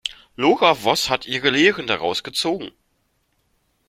Lora Voß hat ihre Lehren daraus gezogen.